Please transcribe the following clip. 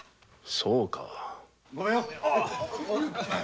そうか。